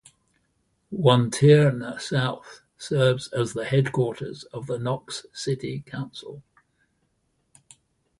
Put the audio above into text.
Wantirna South serves as the headquarters of the Knox City Council.